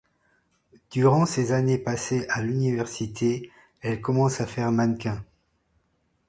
Durant ces années passées à l'université, elle commence à faire mannequin.